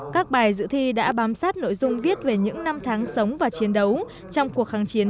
các bài dự thi đã bám sát nội dung viết về những năm tháng sống và chiến đấu trong cuộc kháng chiến